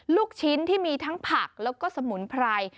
ลูกชิ้นที่มีทั้งผักแล้วก็สมุนไพร